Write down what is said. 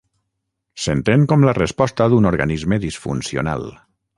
S'entén com la resposta d'un organisme disfuncional.